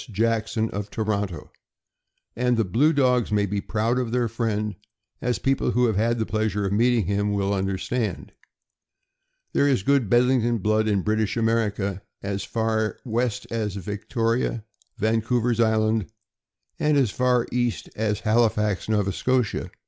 Jackson, of Toronto; and the blue dogs may be proud of their friend, as people who have had the pleasure of meeting him will understand. There is good Bedlington blood in British America, as far west as Victoria, Vancouver's Island, and as far east as Halifax, Nova Scotia.